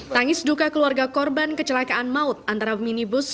tangis duka keluarga korban kecelakaan maut antara minibus